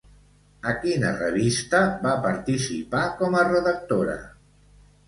A quina revista va participar com a redactora?